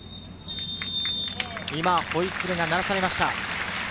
今、ホイッスルが鳴らされました。